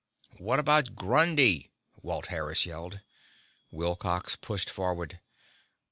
"What about Grundy?" Walt Harris yelled. Wilcox pushed forward.